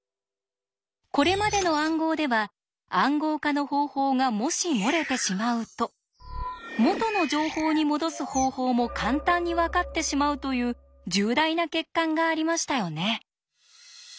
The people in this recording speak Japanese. これまでの暗号では「暗号化の方法」がもし漏れてしまうと「元の情報にもどす方法」も簡単にわかってしまうという重大な欠陥がありましたよね。